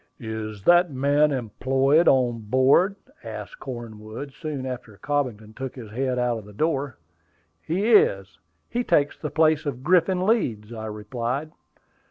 "Is that man employed on board?" asked Cornwood, soon after Cobbington took his head out of the door. "He is; he takes the place of Griffin Leeds," I replied.